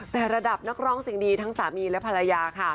แต่ระดับนักร้องเสียงดีทั้งสามีและภรรยาค่ะ